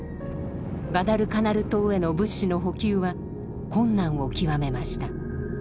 ガダルカナル島への物資の補給は困難を極めました。